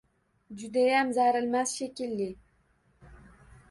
Judayam zarilmas shekilli.